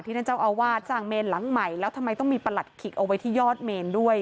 ท่านเจ้าอาวาสสร้างเมนหลังใหม่แล้วทำไมต้องมีประหลัดขิกเอาไว้ที่ยอดเมนด้วย